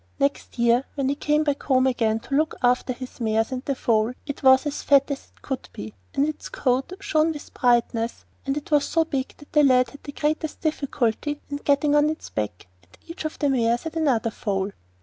Next year, when he came home again to look after his mares and the foal, it was as fat as it could be, and its coat shone with brightness, and it was so big that the lad had the greatest difficulty in getting on its back, and each of the mares had another foal.